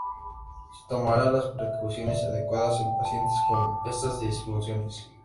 Se tomarán las precauciones adecuadas en pacientes con estas disfunciones.